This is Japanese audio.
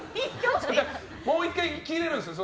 もう１回切れるんですよ。